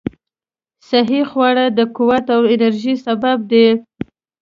صحي خواړه د قوت او انرژۍ سبب دي.